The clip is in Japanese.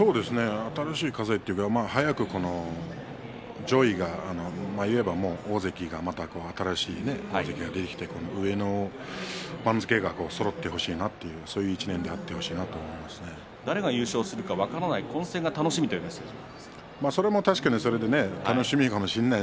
新しい風というか早く上位の大関また新しい大関ができて上の番付がそろってほしいなというそういう１年であってほしいなと誰が優勝するか分からない混戦が楽しみというメッセージもあります。